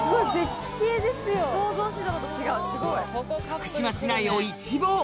福島市内を一望！